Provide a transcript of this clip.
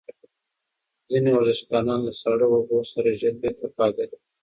ځینې ورزشکاران له ساړه اوبو وروسته ژر بیرته فعالیت کوي.